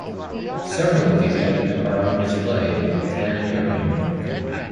Several of these items are on display at the planetarium.